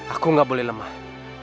aku gak boleh lemah